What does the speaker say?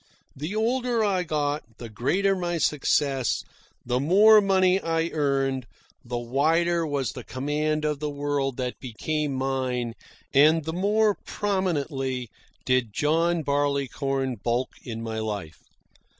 The older I got, the greater my success, the more money I earned, the wider was the command of the world that became mine and the more prominently did John Barleycorn bulk in my life.